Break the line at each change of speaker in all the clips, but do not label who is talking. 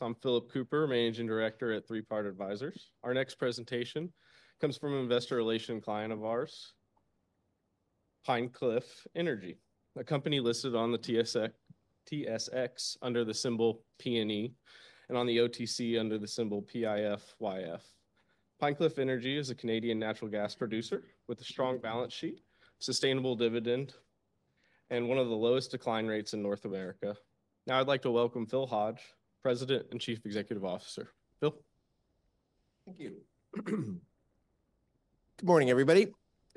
I'm Philip Cooper, Managing Director at Three Part Advisors. Our next presentation comes from an Investor Relation client of ours, Pine Cliff Energy, a company listed on the TSX under the symbol PNE and on the OTC under the symbol PIFYF. Pine Cliff Energy is a Canadian natural gas producer with a strong balance sheet, sustainable dividend, and one of the lowest decline rates in North America. Now I'd like to welcome Phil Hodge, President and Chief Executive Officer. Phil.
Thank you. Good morning, everybody.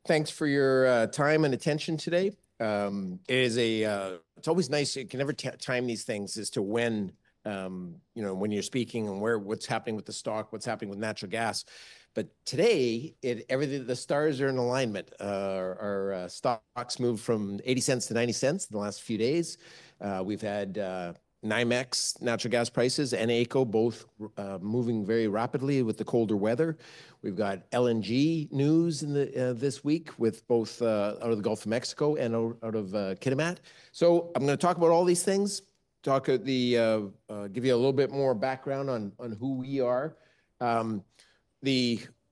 Thanks for your time and attention today. It is a, it's always nice. You can never time these things as to when, you know, when you're speaking and what's happening with the stock, what's happening with natural gas. But today, everything, the stars are in alignment. Our stock moved from 0.80 to 0.90 in the last few days. We've had NYMEX natural gas prices and AECO both moving very rapidly with the colder weather. We've got LNG news this week with both out of the Gulf of Mexico and out of Kitimat. So I'm going to talk about all these things, talk at the, give you a little bit more background on who we are.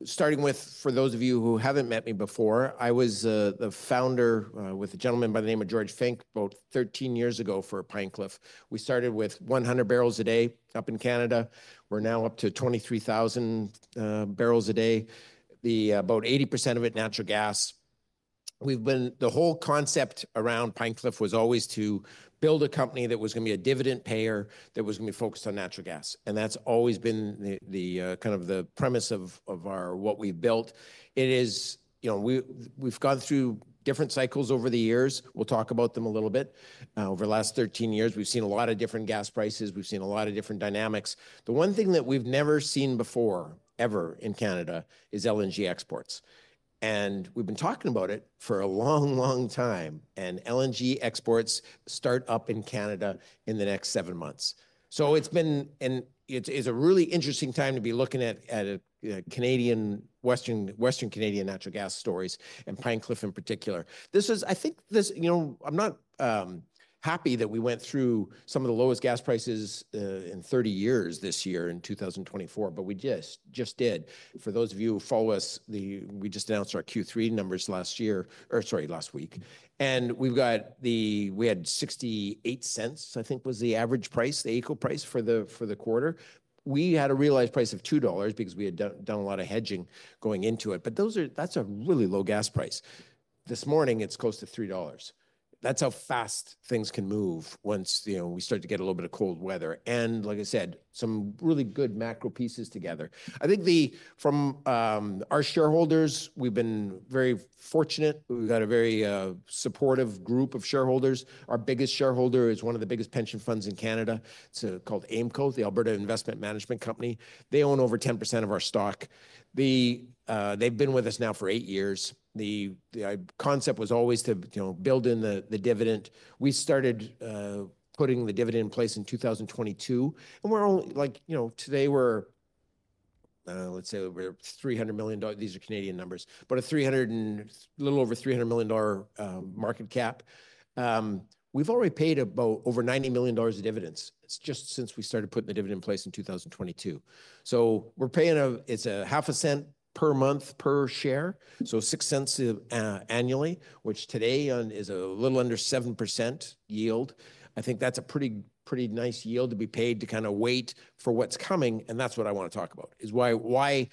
Starting with, for those of you who haven't met me before, I was the founder with a gentleman by the name of George Fink about 13 years ago for Pine Cliff. We started with 100 barrels a day up in Canada. We're now up to 23,000 barrels a day, about 80% of it natural gas. The whole concept around Pine Cliff was always to build a company that was going to be a dividend payer that was going to be focused on natural gas. And that's always been the kind of the premise of what we've built. It is, you know, we've gone through different cycles over the years. We'll talk about them a little bit. Over the last 13 years, we've seen a lot of different gas prices. We've seen a lot of different dynamics. The one thing that we've never seen before, ever in Canada, is LNG exports. And we've been talking about it for a long, long time. And LNG exports start up in Canada in the next seven months. So it's been, and it is a really interesting time to be looking at Canadian, Western Canadian natural gas stories and Pine Cliff in particular. This is, I think this, you know, I'm not happy that we went through some of the lowest gas prices in 30 years this year in 2024, but we just did. For those of you who follow us, we just announced our Q3 numbers last year, or sorry, last week. And we've got the, we had 0.68, I think was the average price, the AECO price for the quarter. We had a realized price of 2 dollars because we had done a lot of hedging going into it. But those are, that's a really low gas price. This morning, it's close to 3 dollars. That's how fast things can move once, you know, we start to get a little bit of cold weather. And like I said, some really good macro pieces together. I think the—from our shareholders, we've been very fortunate. We've got a very supportive group of shareholders. Our biggest shareholder is one of the biggest pension funds in Canada. It's called AIMCo, the Alberta Investment Management Corporation. They own over 10% of our stock. They've been with us now for eight years. The concept was always to, you know, build in the dividend. We started putting the dividend in place in 2022. And we're only, like, you know, today we're, let's say, we're 300 million. These are Canadian numbers, but a 300 and a little over 300 million dollar market cap. We've already paid about over 90 million dollars in dividends. It's just since we started putting the dividend in place in 2022. So we're paying a, it's CAD 0.005 per month per share. So 0.06 annually, which today is a little under 7% yield. I think that's a pretty, pretty nice yield to be paid to kind of wait for what's coming. That's what I want to talk about: why—and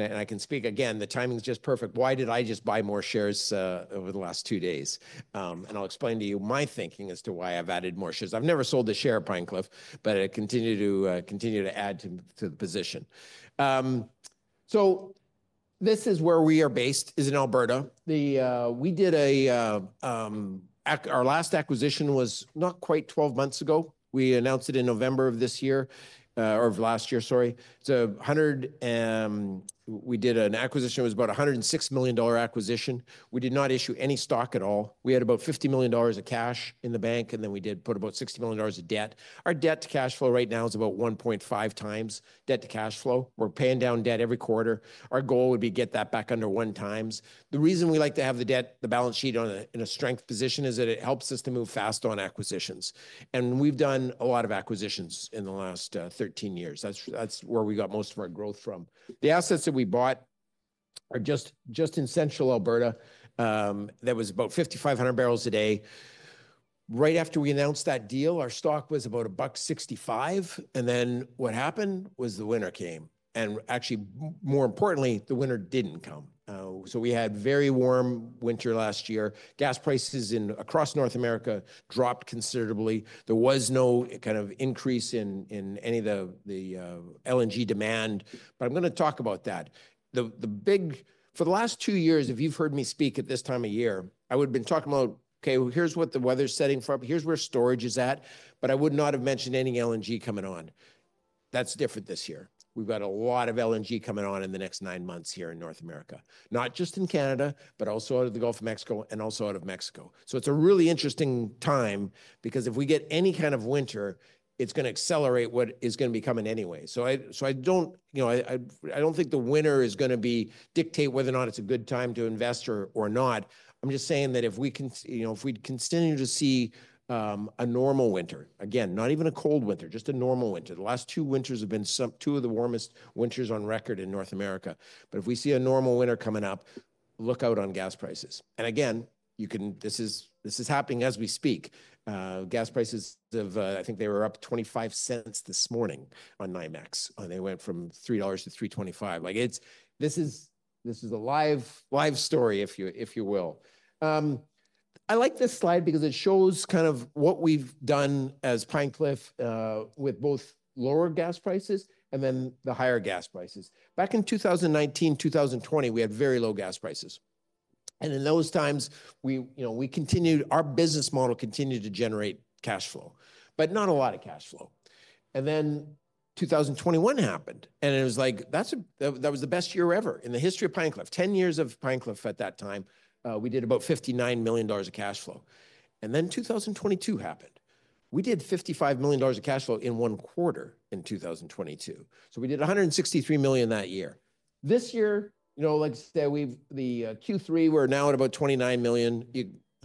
I can speak again—the timing is just perfect. Why did I just buy more shares over the last two days? I'll explain to you my thinking as to why I've added more shares. I've never sold a share of Pine Cliff, but I continue to add to the position. This is where we are based, in Alberta. Our last acquisition was not quite 12 months ago. We announced it in November of this year or of last year, sorry. We did an acquisition. It was about a 106 million dollar acquisition. We did not issue any stock at all. We had about 50 million dollars of cash in the bank, and then we did put about 60 million dollars of debt. Our debt to cash flow right now is about 1.5 times debt to cash flow. We're paying down debt every quarter. Our goal would be to get that back under one times. The reason we like to have the debt, the balance sheet in a strong position is that it helps us to move fast on acquisitions. And we've done a lot of acquisitions in the last 13 years. That's where we got most of our growth from. The assets that we bought are just in central Alberta. That was about 5,500 barrels a day. Right after we announced that deal, our stock was about 1.65. And then what happened was the winter came. And actually, more importantly, the winter didn't come. So we had a very warm winter last year. Gas prices across North America dropped considerably. There was no kind of increase in any of the LNG demand. But I'm going to talk about that. The big for the last two years, if you've heard me speak at this time of year, I would have been talking about, okay, here's what the weather's setting for us. Here's where storage is at. But I would not have mentioned any LNG coming on. That's different this year. We've got a lot of LNG coming on in the next nine months here in North America. Not just in Canada, but also out of the Gulf of Mexico and also out of Mexico. So it's a really interesting time because if we get any kind of winter, it's going to accelerate what is going to be coming anyway. So I don't, you know, I don't think the winter is going to dictate whether or not it's a good time to invest or not. I'm just saying that if we can, you know, if we continue to see a normal winter, again, not even a cold winter, just a normal winter. The last two winters have been two of the warmest winters on record in North America. But if we see a normal winter coming up, look out on gas prices. And again, you can. This is happening as we speak. Gas prices of, I think they were up $0.25 this morning on NYMEX. They went from $3 to $3.25. Like it's. This is a live story, if you will. I like this slide because it shows kind of what we've done as Pine Cliff with both lower gas prices and then the higher gas prices. Back in 2019, 2020, we had very low gas prices. And in those times, we, you know, we continued. Our business model continued to generate cash flow, but not a lot of cash flow. And then 2021 happened. And it was like, that was the best year ever in the history of Pine Cliff. 10 years of Pine Cliff at that time, we did about 59 million dollars of cash flow. And then 2022 happened. We did 55 million dollars of cash flow in one quarter in 2022. So we did 163 million that year. This year, you know, like I said, we've, the Q3, we're now at about 29 million.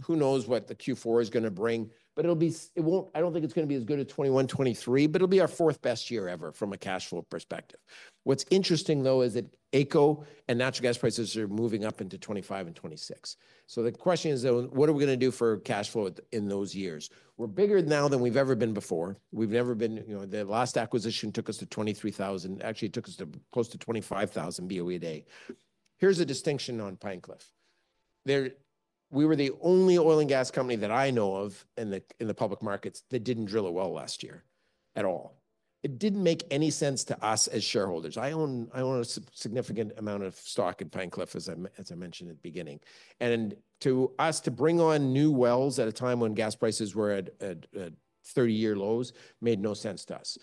Who knows what the Q4 is going to bring? But it'll be, it won't, I don't think it's going to be as good as 2021, 2023, but it'll be our fourth best year ever from a cash flow perspective. What's interesting, though, is that AECO and natural gas prices are moving up into 2025 and 2026. So the question is, what are we going to do for cash flow in those years? We're bigger now than we've ever been before. We've never been, you know, the last acquisition took us to 23,000. Actually, it took us to close to 25,000 BOE a day. Here's a distinction on Pine Cliff. We were the only oil and gas company that I know of in the public markets that didn't drill a well last year at all. It didn't make any sense to us as shareholders. I own a significant amount of stock in Pine Cliff, as I mentioned at the beginning. And to us to bring on new wells at a time when gas prices were at 30-year lows made no sense to us.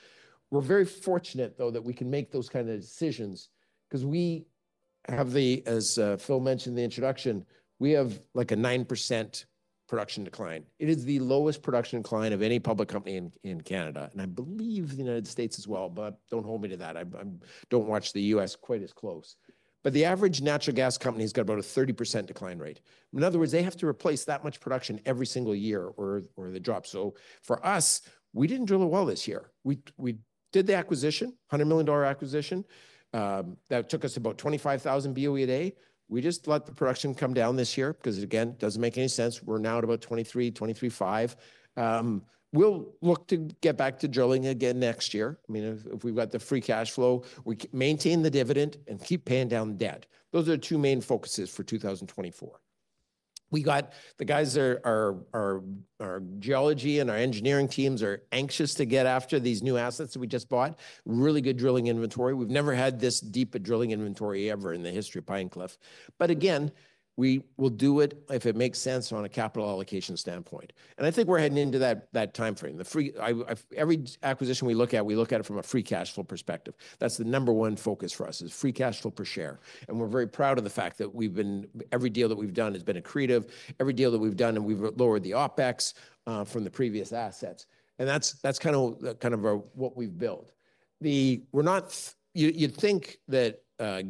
We're very fortunate, though, that we can make those kinds of decisions because we have the—as Phil mentioned in the introduction, we have like a 9% production decline. It is the lowest production decline of any public company in Canada. I believe the United States as well, but don't hold me to that. I don't watch the U.S. quite as close. The average natural gas company has got about a 30% decline rate. In other words, they have to replace that much production every single year or the drop. For us, we didn't drill a well this year. We did the acquisition, 100 million dollar acquisition. That took us about 25,000 BOE a day. We just let the production come down this year because, again, it doesn't make any sense. We're now at about 23,000, 23,500. We'll look to get back to drilling again next year. I mean, if we've got the free cash flow, we maintain the dividend and keep paying down debt. Those are the two main focuses for 2024. We got the guys, our geology and our engineering teams are anxious to get after these new assets that we just bought. Really good drilling inventory. We've never had this deep a drilling inventory ever in the history of Pine Cliff. But again, we will do it if it makes sense on a capital allocation standpoint. And I think we're heading into that timeframe. Every acquisition we look at, we look at it from a free cash flow perspective. That's the number one focus for us is free cash flow per share. And we're very proud of the fact that we've been, every deal that we've done has been accretive. Every deal that we've done, and we've lowered the OpEx from the previous assets. And that's kind of what we've built. We're not. You'd think that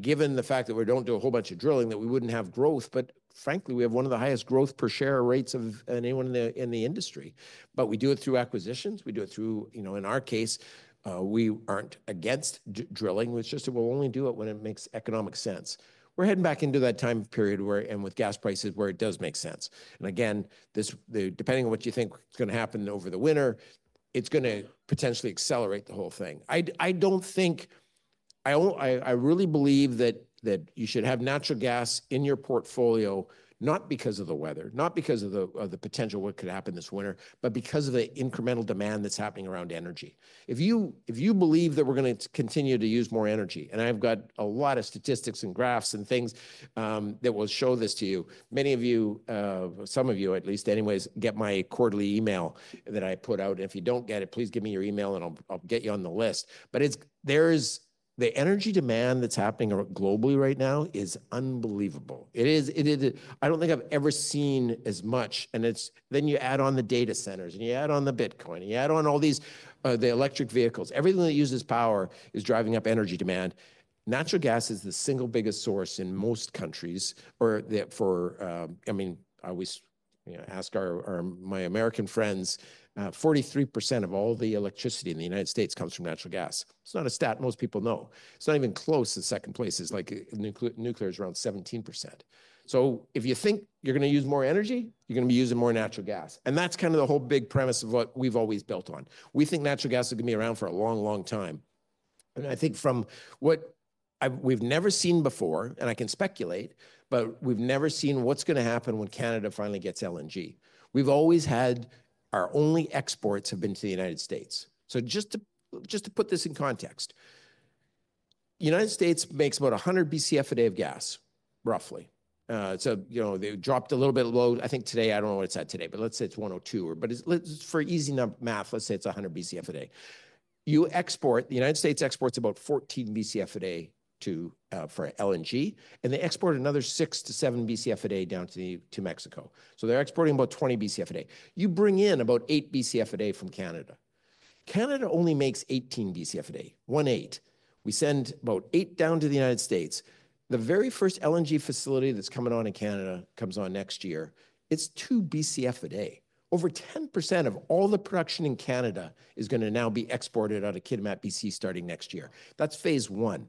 given the fact that we don't do a whole bunch of drilling, that we wouldn't have growth, but frankly, we have one of the highest growth per share rates of anyone in the industry. But we do it through acquisitions. We do it through, you know, in our case, we aren't against drilling. It's just that we'll only do it when it makes economic sense. We're heading back into that time period where, and with gas prices, where it does make sense. And again, depending on what you think is going to happen over the winter, it's going to potentially accelerate the whole thing. I don't think, I really believe that you should have natural gas in your portfolio, not because of the weather, not because of the potential of what could happen this winter, but because of the incremental demand that's happening around energy. If you believe that we're going to continue to use more energy, and I've got a lot of statistics and graphs and things that will show this to you, many of you, some of you at least, anyways, get my quarterly email that I put out. And if you don't get it, please give me your email and I'll get you on the list. But there is the energy demand that's happening globally right now is unbelievable. It is, I don't think I've ever seen as much. And it's then you add on the data centers and you add on the Bitcoin and you add on all these, the electric vehicles. Everything that uses power is driving up energy demand. Natural gas is the single biggest source in most countries or for, I mean, I always ask my American friends, 43% of all the electricity in the United States comes from natural gas. It's not a stat most people know. It's not even close to second places. Like nuclear is around 17%. So if you think you're going to use more energy, you're going to be using more natural gas. And that's kind of the whole big premise of what we've always built on. We think natural gas is going to be around for a long, long time. And I think from what we've never seen before, and I can speculate, but we've never seen what's going to happen when Canada finally gets LNG. We've always had our only exports have been to the United States. Just to put this in context, the United States makes about 100 BCF a day of gas, roughly. You know, they dropped a little bit low. I think today, I don't know what it's at today, but let's say it's 102. But for easy math, let's say it's 100 BCF a day. The United States exports about 14 BCF a day for LNG, and they export another six to seven BCF a day down to Mexico. So they're exporting about 20 BCF a day. You bring in about eight BCF a day from Canada. Canada only makes 18 BCF a day. We send about eight down to the United States. The very first LNG facility that's coming on in Canada comes on next year. It's two BCF a day. Over 10% of all the production in Canada is going to now be exported out of Kitimat, BC, starting next year. That's phase one.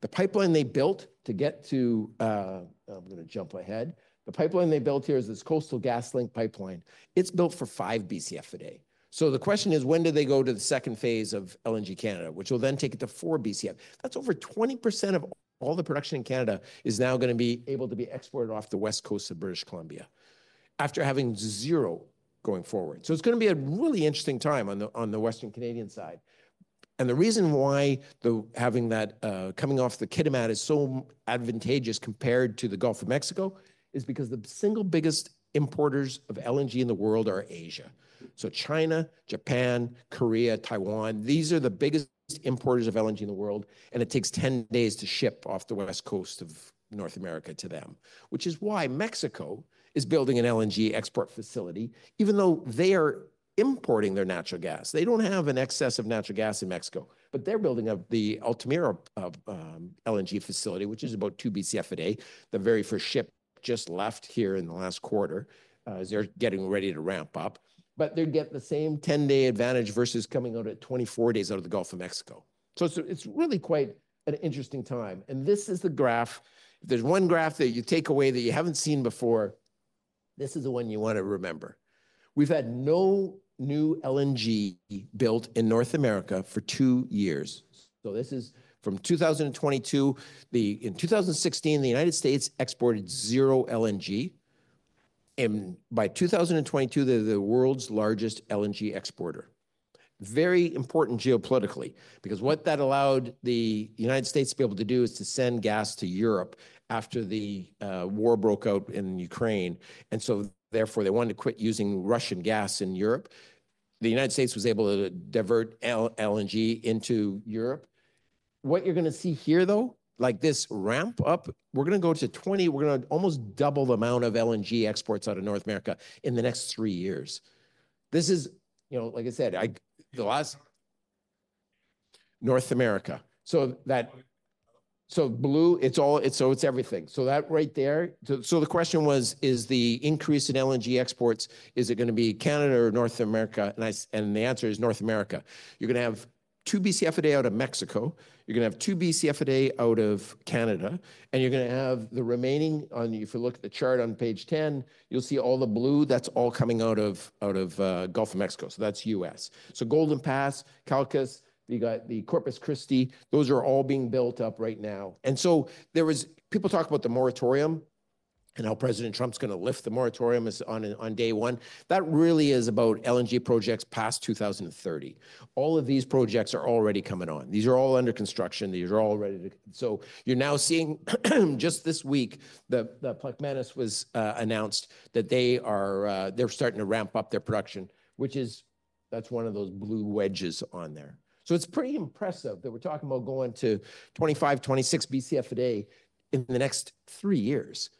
The pipeline they built to get to, I'm going to jump ahead, the pipeline they built here is this Coastal GasLink pipeline. It's built for 5 BCF a day. So the question is, when do they go to the second phase of LNG Canada, which will then take it to 4 BCF? That's over 20% of all the production in Canada is now going to be able to be exported off the west coast of British Columbia after having zero going forward. So it's going to be a really interesting time on the Western Canadian side. The reason why having that coming off the Kitimat is so advantageous compared to the Gulf of Mexico is because the single biggest importers of LNG in the world are Asia. So China, Japan, Korea, Taiwan, these are the biggest importers of LNG in the world. And it takes 10 days to ship off the west coast of North America to them, which is why Mexico is building an LNG export facility, even though they are importing their natural gas. They don't have an excess of natural gas in Mexico, but they're building up the Altamira LNG facility, which is about two BCF a day. The very first ship just left here in the last quarter. They're getting ready to ramp up, but they're getting the same 10-day advantage versus coming out at 24 days out of the Gulf of Mexico. So it's really quite an interesting time. This is the graph. If there's one graph that you take away that you haven't seen before, this is the one you want to remember. We've had no new LNG built in North America for two years. This is from 2022. In 2016, the United States exported zero LNG. By 2022, they're the world's largest LNG exporter. Very important geopolitically because what that allowed the United States to be able to do is to send gas to Europe after the war broke out in Ukraine. So therefore, they wanted to quit using Russian gas in Europe. The United States was able to divert LNG into Europe. What you're going to see here, though, like this ramp up, we're going to go to 20. We're going to almost double the amount of LNG exports out of North America in the next three years. This is, you know, like I said, the last North America. That blue, it's all everything right there. The question was, is the increase in LNG exports, is it going to be Canada or North America? And the answer is North America. You are going to have two BCF a day out of Mexico. You are going to have two BCF a day out of Canada. And you are going to have the remaining on. If you look at the chart on page 10, you will see all the blue, that is all coming out of Gulf of Mexico. That is U.S. Golden Pass, Calcasieu Pass, the Corpus Christi, those are all being built up right now. People talk about the moratorium and how President Trump is going to lift the moratorium on day one. That really is about LNG projects past 2030. All of these projects are already coming on. These are all under construction. These are all ready to. So you're now seeing just this week, the Plaquemines was announced that they're starting to ramp up their production, which is, that's one of those blue wedges on there. So it's pretty impressive that we're talking about going to 25-26 BCF a day in the next three years.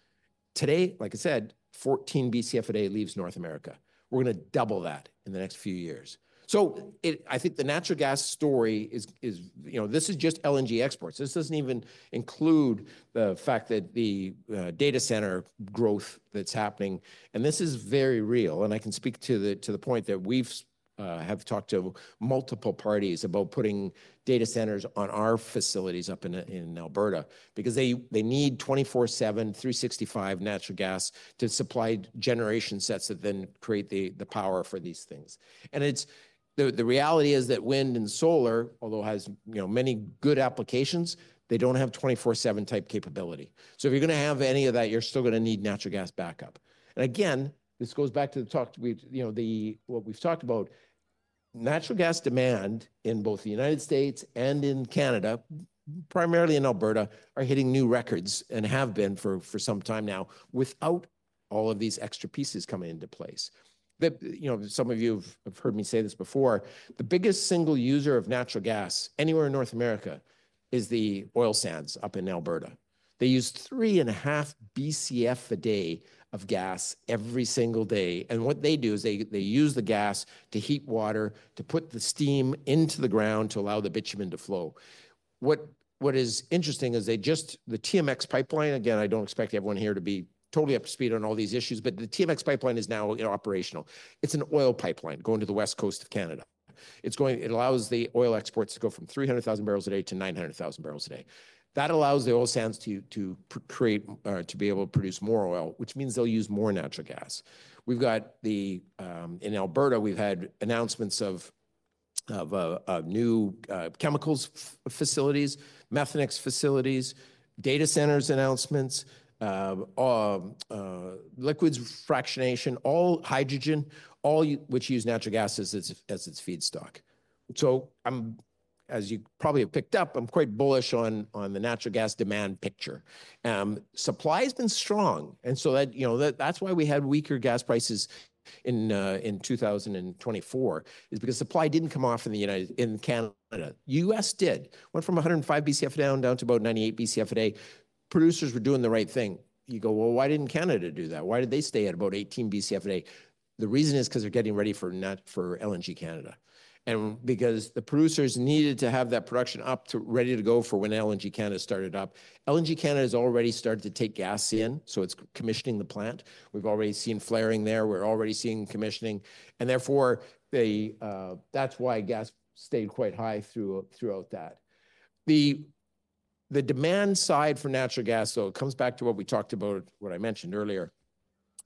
Today, like I said, 14 BCF a day leaves North America. We're going to double that in the next few years. So I think the natural gas story is, you know, this is just LNG exports. This doesn't even include the fact that the data center growth that's happening. And this is very real. And I can speak to the point that we've talked to multiple parties about putting data centers on our facilities up in Alberta because they need 24/7, 365 natural gas to supply generation sets that then create the power for these things. And it's the reality is that wind and solar, although has, you know, many good applications, they don't have 24/7 type capability. So if you're going to have any of that, you're still going to need natural gas backup. And again, this goes back to the talk, you know, what we've talked about, natural gas demand in both the United States and in Canada, primarily in Alberta, are hitting new records and have been for some time now without all of these extra pieces coming into place. You know, some of you have heard me say this before, the biggest single user of natural gas anywhere in North America is the oil sands up in Alberta. They use three and a half BCF a day of gas every single day, and what they do is they use the gas to heat water, to put the steam into the ground to allow the bitumen to flow. What is interesting is they just, the TMX pipeline, again, I don't expect everyone here to be totally up to speed on all these issues, but the TMX pipeline is now operational. It's an oil pipeline going to the west coast of Canada. It's going, it allows the oil exports to go from 300,000 barrels a day to 900,000 barrels a day. That allows the oil sands to create, to be able to produce more oil, which means they'll use more natural gas. We've got the, in Alberta, we've had announcements of new chemicals facilities, Methanex facilities, data centers announcements, liquids fractionation, all hydrogen, all which use natural gas as its feedstock. So I'm, as you probably have picked up, I'm quite bullish on the natural gas demand picture. Supply has been strong. And so that, you know, that's why we had weaker gas prices in 2024 is because supply didn't come off in the United States, in Canada. U.S. did. Went from 105 BCF a day down to about 98 BCF a day. Producers were doing the right thing. You go, well, why didn't Canada do that? Why did they stay at about 18 BCF a day? The reason is because they're getting ready for LNG Canada. And because the producers needed to have that production up to ready to go for when LNG Canada started up. LNG Canada has already started to take gas in. So it's commissioning the plant. We've already seen flaring there. We're already seeing commissioning. And therefore, that's why gas stayed quite high throughout that. The demand side for natural gas, though, it comes back to what we talked about, what I mentioned earlier.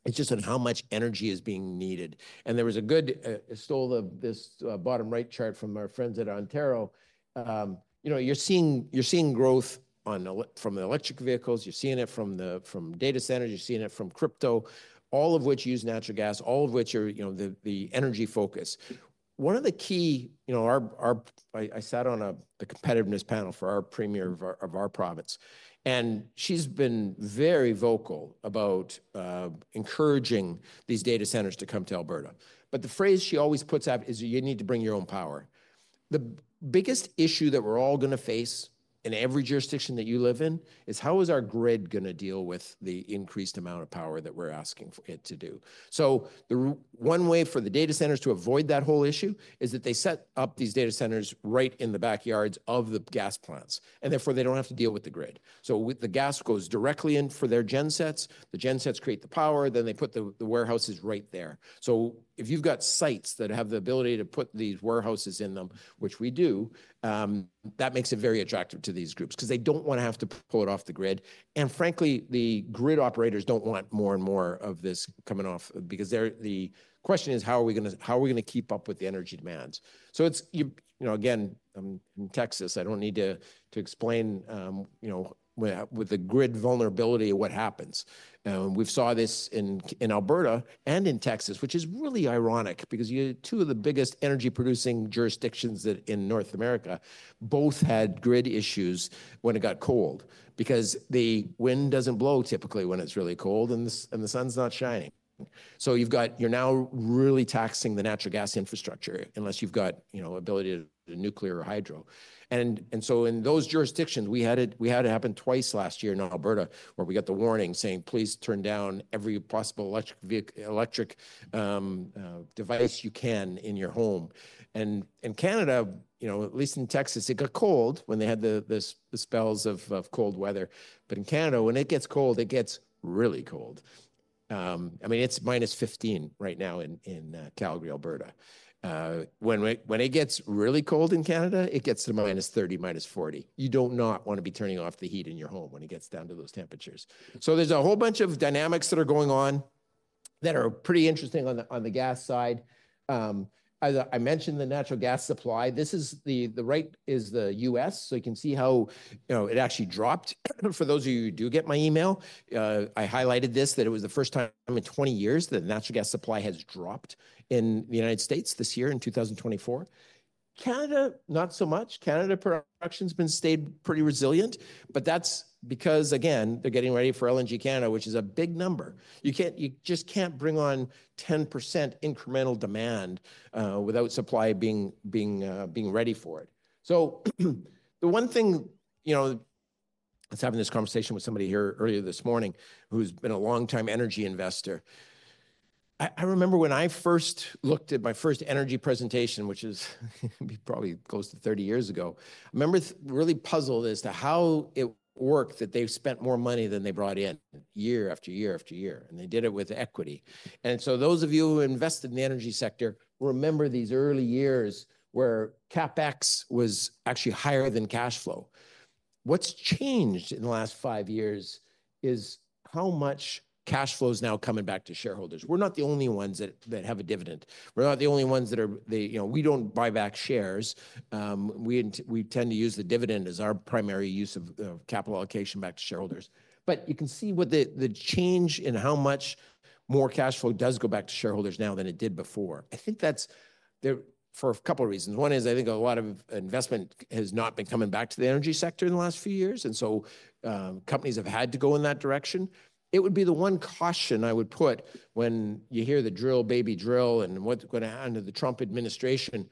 It's just on how much energy is being needed. And there was a good, I stole this bottom right chart from our friends at Ontario. You know, you're seeing growth from the electric vehicles. You're seeing it from data centers. You're seeing it from crypto, all of which use natural gas, all of which are, you know, the energy focus. One of the key, you know, I sat on the competitiveness panel for our premier of our province, and she's been very vocal about encouraging these data centers to come to Alberta, but the phrase she always puts up is you need to bring your own power. The biggest issue that we're all going to face in every jurisdiction that you live in is how is our grid going to deal with the increased amount of power that we're asking for it to do, so the one way for the data centers to avoid that whole issue is that they set up these data centers right in the backyards of the gas plants, and therefore, they don't have to deal with the grid, so the gas goes directly in for their gen sets. The gen sets create the power, then they put the warehouses right there. So if you've got sites that have the ability to put these warehouses in them, which we do, that makes it very attractive to these groups because they don't want to have to pull it off the grid. And frankly, the grid operators don't want more and more of this coming off because the question is how are we going to keep up with the energy demands. So it's, you know, again, in Texas, I don't need to explain, you know, with the grid vulnerability of what happens. And we've saw this in Alberta and in Texas, which is really ironic because you have two of the biggest energy producing jurisdictions in North America, both had grid issues when it got cold because the wind doesn't blow typically when it's really cold and the sun's not shining. You've got, you're now really taxing the natural gas infrastructure unless you've got, you know, ability to nuclear or hydro. And so in those jurisdictions, we had it happen twice last year in Alberta where we got the warning saying, please turn down every possible electric device you can in your home. And in Canada, you know, at least in Texas, it got cold when they had the spells of cold weather. But in Canada, when it gets cold, it gets really cold. I mean, it's minus 15 right now in Calgary, Alberta. When it gets really cold in Canada, it gets to minus 30, minus 40. You don't not want to be turning off the heat in your home when it gets down to those temperatures. So there's a whole bunch of dynamics that are going on that are pretty interesting on the gas side. I mentioned the natural gas supply. This is to the right, the U.S. So you can see how, you know, it actually dropped. For those of you who do get my email, I highlighted this that it was the first time in 20 years that the natural gas supply has dropped in the United States this year in 2024. Canada, not so much. Canada production has been stayed pretty resilient, but that's because, again, they're getting ready for LNG Canada, which is a big number. You can't, you just can't bring on 10% incremental demand without supply being ready for it. So the one thing, you know, I was having this conversation with somebody here earlier this morning who's been a longtime energy investor. I remember when I first looked at my first energy presentation, which is probably close to 30 years ago. I remember really puzzled as to how it worked that they've spent more money than they brought in year after year after year, and they did it with equity. So those of you who invested in the energy sector remember these early years where CapEx was actually higher than cash flow. What's changed in the last five years is how much cash flow is now coming back to shareholders. We're not the only ones that have a dividend. We're not the only ones that are, you know, we don't buy back shares. We tend to use the dividend as our primary use of capital allocation back to shareholders. But you can see what the change in how much more cash flow does go back to shareholders now than it did before. I think that's there for a couple of reasons. One is I think a lot of investment has not been coming back to the energy sector in the last few years, and so companies have had to go in that direction. It would be the one caution I would put when you hear the drill, baby drill, and what's going to happen to the Trump administration.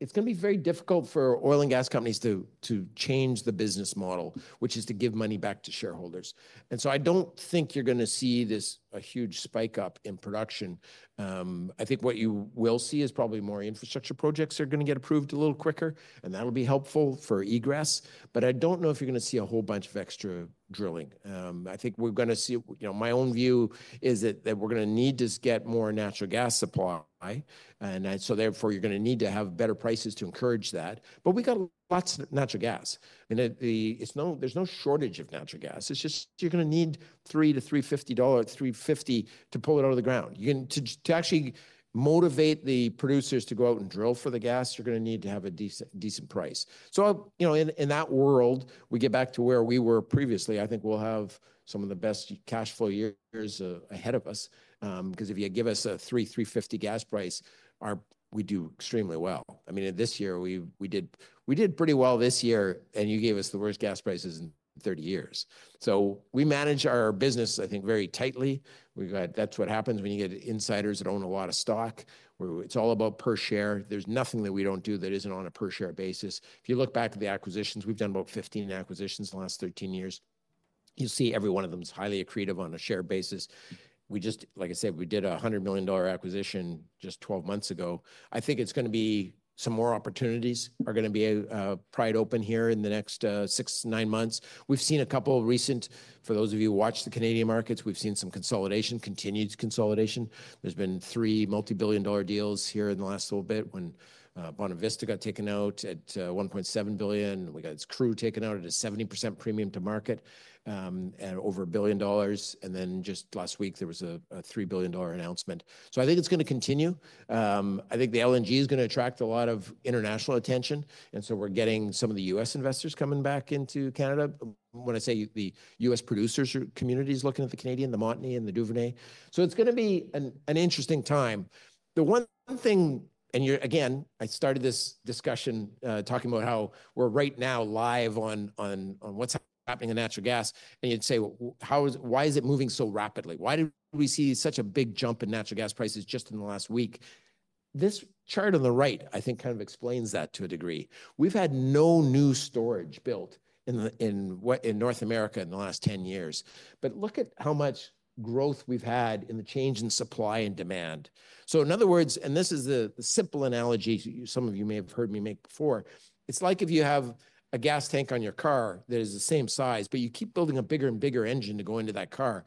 It's going to be very difficult for oil and gas companies to change the business model, which is to give money back to shareholders, and so I don't think you're going to see this a huge spike up in production. I think what you will see is probably more infrastructure projects are going to get approved a little quicker, and that will be helpful for egress. But I don't know if you're going to see a whole bunch of extra drilling. I think we're going to see, you know, my own view is that we're going to need to get more natural gas supply. And so therefore, you're going to need to have better prices to encourage that. But we got lots of natural gas. And there's no shortage of natural gas. It's just you're going to need $3-3.50 to pull it out of the ground. You can actually motivate the producers to go out and drill for the gas. You're going to need to have a decent price. So you know, in that world, we get back to where we were previously. I think we'll have some of the best cash flow years ahead of us. Because if you give us a $3-3.50 gas price, we do extremely well. I mean, this year we did pretty well this year, and you gave us the worst gas prices in 30 years, so we manage our business, I think, very tightly. That's what happens when you get insiders that own a lot of stock. It's all about per share. There's nothing that we don't do that isn't on a per share basis. If you look back at the acquisitions, we've done about 15 acquisitions in the last 13 years. You'll see every one of them is highly accretive on a share basis. We just, like I said, we did a $100 million acquisition just 12 months ago. I think it's going to be some more opportunities are going to be pried open here in the next six, nine months. We've seen a couple recent, for those of you who watch the Canadian markets, we've seen some consolidation, continued consolidation. There's been three multi-billion-dollar deals here in the last little bit when Bonavista got taken out at 1.7 billion, and Crew got taken out at a 70% premium to market and over 1 billion dollars. And then just last week, there was a 3 billion dollar announcement. So I think it's going to continue. I think the LNG is going to attract a lot of international attention. And so we're getting some of the U.S. investors coming back into Canada. When I say the U.S. producers community is looking at the Canadian, the Montney and the Duvernay. So it's going to be an interesting time. The one thing, and you're again, I started this discussion talking about how we're right now live on what's happening in natural gas, and you'd say, how is, why is it moving so rapidly? Why did we see such a big jump in natural gas prices just in the last week? This chart on the right, I think kind of explains that to a degree. We've had no new storage built in North America in the last 10 years, but look at how much growth we've had in the change in supply and demand. In other words, this is the simple analogy some of you may have heard me make before. It's like if you have a gas tank on your car that is the same size, but you keep building a bigger and bigger engine to go into that car.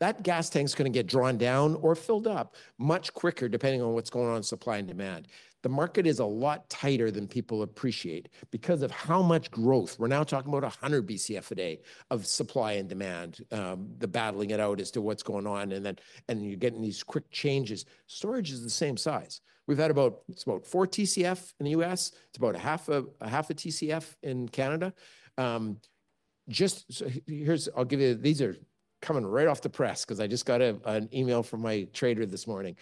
That gas tank's going to get drawn down or filled up much quicker depending on what's going on in supply and demand. The market is a lot tighter than people appreciate because of how much growth. We're now talking about 100 BCF a day of supply and demand, the battling it out as to what's going on. And then you're getting these quick changes. Storage is the same size. We've had about, it's about four TCF in the U.S. It's about a half a TCF in Canada. Just here's, I'll give you, these are coming right off the press because I just got an email from my trader this morning.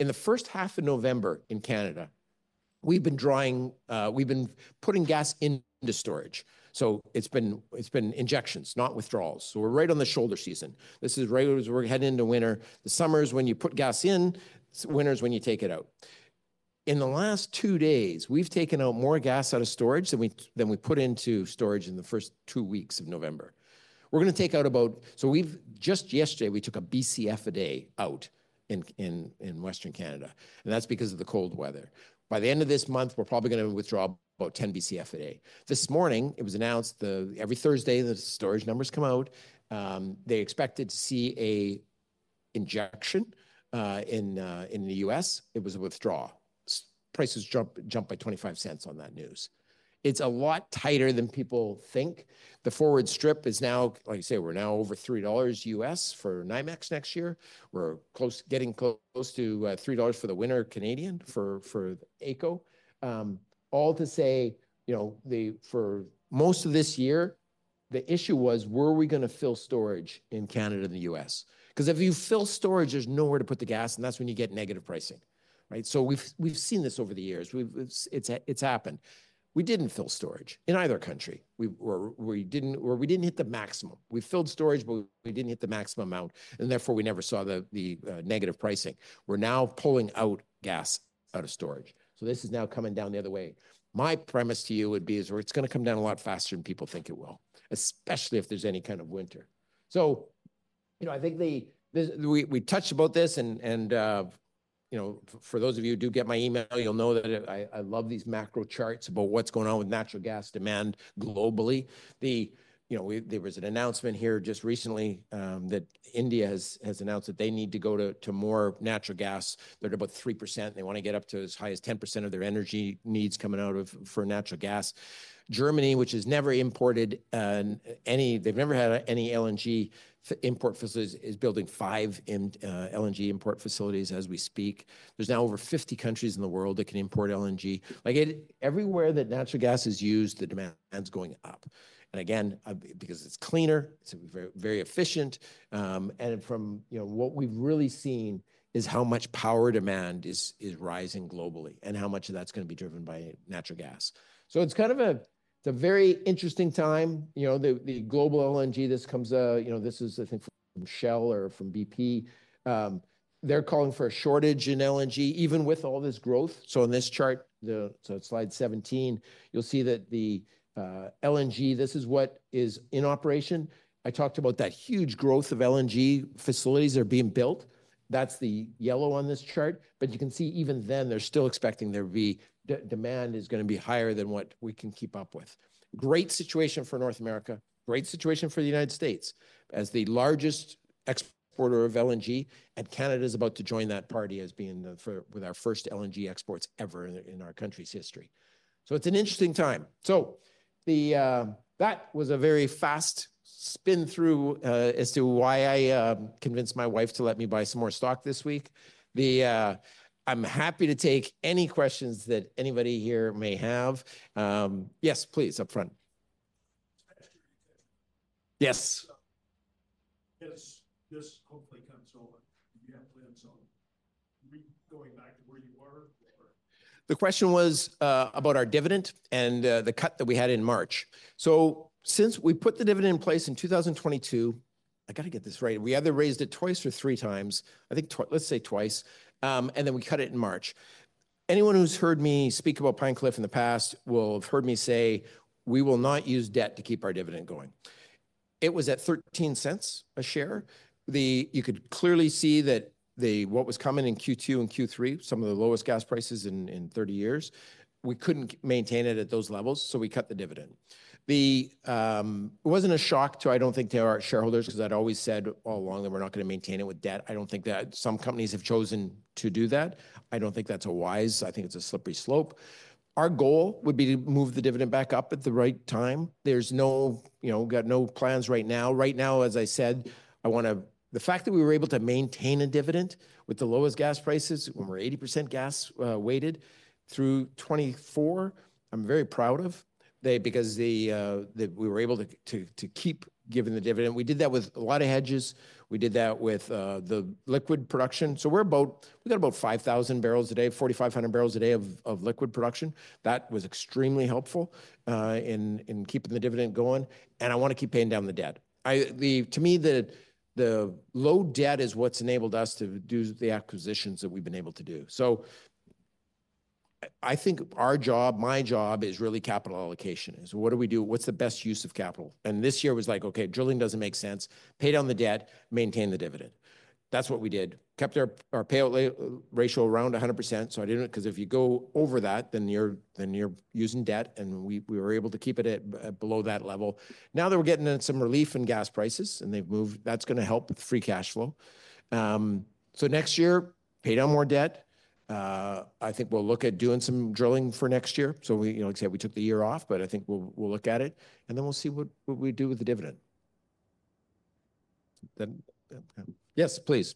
In the first half of November in Canada, we've been drawing, we've been putting gas into storage. So it's been injections, not withdrawals. So we're right on the shoulder season. This is regular as we're heading into winter. The summer is when you put gas in, winter is when you take it out. In the last two days, we've taken out more gas out of storage than we put into storage in the first two weeks of November. We're going to take out about, so we've just yesterday, we took a BCF a day out in Western Canada, and that's because of the cold weather. By the end of this month, we're probably going to withdraw about 10 BCF a day. This morning, it was announced that every Thursday, the storage numbers come out. They expected to see an injection in the U.S. It was a withdrawal. Prices jump by $0.25 on that news. It's a lot tighter than people think. The forward strip is now, like I say, we're now over $3 U.S. for NYMEX next year. We're getting close to 3 dollars for the winter Canadian for AECO. All to say, you know, for most of this year, the issue was, were we going to fill storage in Canada and the U.S.? Because if you fill storage, there's nowhere to put the gas, and that's when you get negative pricing. Right, so we've seen this over the years. It's happened. We didn't fill storage in either country. We didn't, or we didn't hit the maximum. We filled storage, but we didn't hit the maximum amount, and therefore, we never saw the negative pricing. We're now pulling out gas out of storage, so this is now coming down the other way. My premise to you would be is it's going to come down a lot faster than people think it will, especially if there's any kind of winter. You know, I think we touched about this and, you know, for those of you who do get my email, you'll know that I love these macro charts about what's going on with natural gas demand globally. You know, there was an announcement here just recently that India has announced that they need to go to more natural gas. They're at about 3%. They want to get up to as high as 10% of their energy needs coming out of for natural gas. Germany, which has never imported any, they've never had any LNG import facilities, is building five LNG import facilities as we speak. There's now over 50 countries in the world that can import LNG. Like everywhere that natural gas is used, the demand's going up. And again, because it's cleaner, it's very efficient. And from, you know, what we've really seen is how much power demand is rising globally and how much of that's going to be driven by natural gas. So it's kind of a, it's a very interesting time, you know, the global LNG this comes, you know, this is, I think from Shell or from BP, they're calling for a shortage in LNG even with all this growth. So in this chart, so it's slide 17, you'll see that the LNG, this is what is in operation. I talked about that huge growth of LNG facilities that are being built. That's the yellow on this chart. But you can see even then they're still expecting there to be demand is going to be higher than what we can keep up with. Great situation for North America, great situation for the United States as the largest exporter of LNG. And Canada is about to join that party as being with our first LNG exports ever in our country's history. So it's an interesting time. So that was a very fast spin through as to why I convinced my wife to let me buy some more stock this week. I'm happy to take any questions that anybody here may have. Yes, please, up front. Yes. Yes, this hopefully comes over. You have plans on going back to where you were. The question was about our dividend and the cut that we had in March. So since we put the dividend in place in 2022, I got to get this right. We either raised it twice or three times, I think. Let's say twice, and then we cut it in March. Anyone who's heard me speak about Pine Cliff in the past will have heard me say we will not use debt to keep our dividend going. It was at 0.13 a share. You could clearly see that what was coming in Q2 and Q3, some of the lowest gas prices in 30 years, we couldn't maintain it at those levels. So we cut the dividend. It wasn't a shock to, I don't think to our shareholders because I'd always said all along that we're not going to maintain it with debt. I don't think that some companies have chosen to do that. I don't think that's wise. I think it's a slippery slope. Our goal would be to move the dividend back up at the right time. There's no, you know, we've got no plans right now. Right now, as I said, I want to, the fact that we were able to maintain a dividend with the lowest gas prices when we're 80% gas weighted through 2024, I'm very proud of because we were able to keep giving the dividend. We did that with a lot of hedges. We did that with the liquid production. So we got about 5,000 barrels a day, 4,500 barrels a day of liquid production. That was extremely helpful in keeping the dividend going, and I want to keep paying down the debt. To me, the low debt is what's enabled us to do the acquisitions that we've been able to do, so I think our job, my job is really capital allocation: what do we do? What's the best use of capital, and this year was like, okay, drilling doesn't make sense. Pay down the debt, maintain the dividend. That's what we did. Kept our payout ratio around 100%. So I didn't, because if you go over that, then you're using debt and we were able to keep it at below that level. Now that we're getting some relief in gas prices and they've moved, that's going to help with free cash flow. So next year, pay down more debt. I think we'll look at doing some drilling for next year. So we, like I said, we took the year off, but I think we'll look at it and then we'll see what we do with the dividend. Yes, please.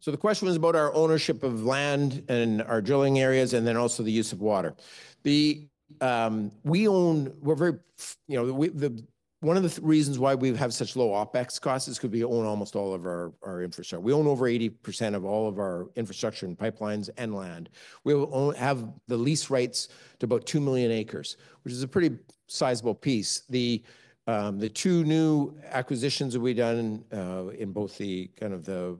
So the question was about our ownership of land and our drilling areas and then also the use of water. We own. We're very, you know, one of the reasons why we have such low OPEX costs is because we own almost all of our infrastructure. We own over 80% of all of our infrastructure and pipelines and land. We have the lease rights to about 2 million acres, which is a pretty sizable piece. The two new acquisitions that we've done in both the kind of the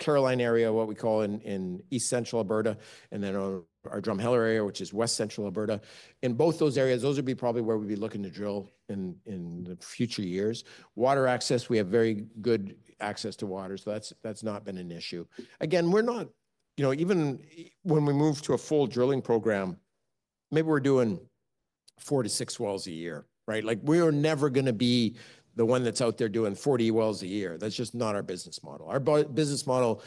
Caroline area, what we call in East Central Alberta, and then our Drumheller area, which is West Central Alberta. In both those areas, those would be probably where we'd be looking to drill in the future years. Water access, we have very good access to water. So that's not been an issue. Again, we're not, you know, even when we move to a full drilling program, maybe we're doing four to six wells a year, right? Like we are never going to be the one that's out there doing 40 wells a year. That's just not our business model. Our business model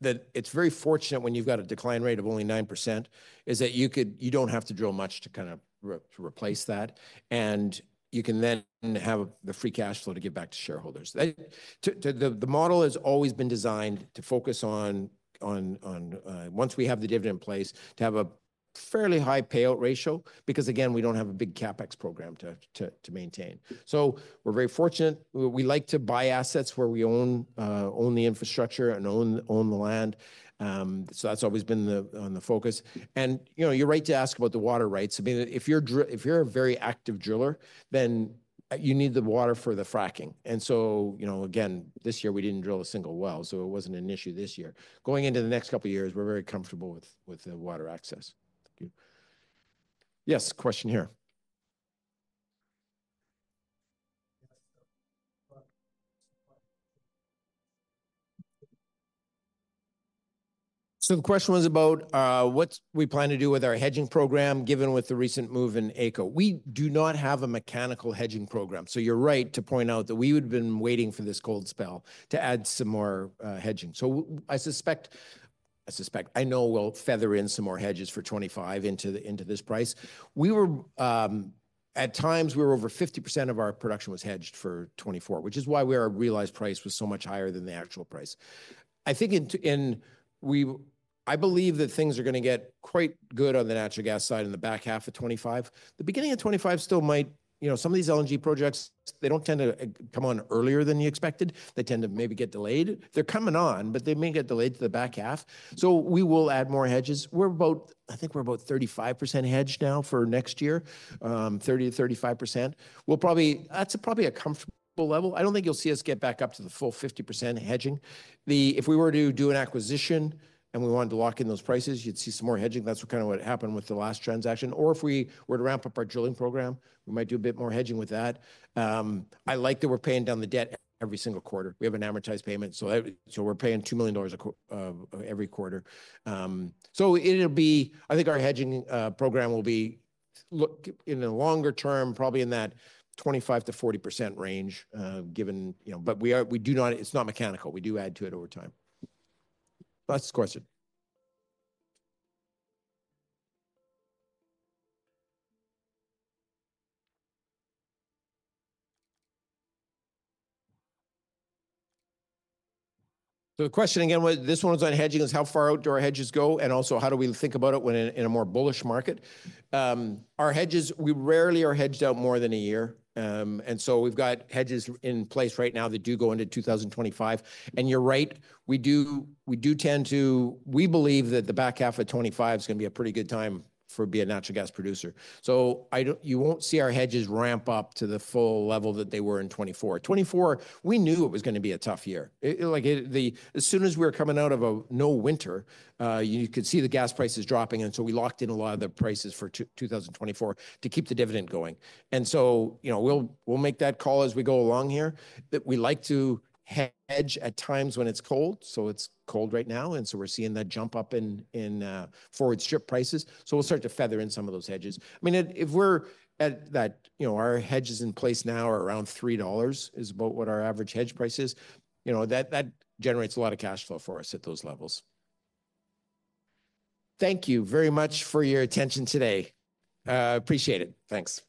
that it's very fortunate when you've got a decline rate of only 9% is that you could, you don't have to drill much to kind of replace that. And you can then have the free cash flow to give back to shareholders. The model has always been designed to focus on, once we have the dividend in place, to have a fairly high payout ratio because again, we don't have a big CapEx program to maintain. So we're very fortunate. We like to buy assets where we own the infrastructure and own the land. So that's always been the focus. And you know, you're right to ask about the water rights. I mean, if you're a very active driller, then you need the water for the fracking, and so, you know, again, this year we didn't drill a single well, so it wasn't an issue this year. Going into the next couple of years, we're very comfortable with the water access. Thank you. Yes, question here, so the question was about what we plan to do with our hedging program given with the recent move in AECO. We do not have a mechanical hedging program, so you're right to point out that we would have been waiting for this cold spell to add some more hedging, so I suspect, I know we'll feather in some more hedges for 2025 into this price. We were, at times, over 50% of our production was hedged for 2024, which is why our realized price was so much higher than the actual price. I think, I believe that things are going to get quite good on the natural gas side in the back half of 2025. The beginning of 2025 still might, you know, some of these LNG projects, they don't tend to come on earlier than you expected. They tend to maybe get delayed. They're coming on, but they may get delayed to the back half. So we will add more hedges. I think we're about 35% hedged now for next year, 30%-35%. We'll probably, that's probably a comfortable level. I don't think you'll see us get back up to the full 50% hedging. If we were to do an acquisition and we wanted to lock in those prices, you'd see some more hedging. That's kind of what happened with the last transaction. Or if we were to ramp up our drilling program, we might do a bit more hedging with that. I like that we're paying down the debt every single quarter. We have an amortized payment. So we're paying 2 million dollars a quarter. So it'll be, I think our hedging program will be in the longer term, probably in that 25%-40% range given, you know, but we do not, it's not mechanical. We do add to it over time. Last question. So the question again, this one was on hedging is how far out do our hedges go and also how do we think about it when in a more bullish market? Our hedges, we rarely are hedged out more than a year. And so we've got hedges in place right now that do go into 2025. And you're right, we do tend to, we believe that the back half of 2025 is going to be a pretty good time for being a natural gas producer. So you won't see our hedges ramp up to the full level that they were in 2024. 2024, we knew it was going to be a tough year. Like as soon as we were coming out of a no winter, you could see the gas prices dropping. And so we locked in a lot of the prices for 2024 to keep the dividend going. And so, you know, we'll make that call as we go along here that we like to hedge at times when it's cold. So it's cold right now. And so we're seeing that jump up in forward strip prices. So we'll start to feather in some of those hedges. I mean, if we're at that, you know, our hedges in place now are around $3 is about what our average hedge price is. You know, that generates a lot of cash flow for us at those levels. Thank you very much for your attention today. Appreciate it. Thanks.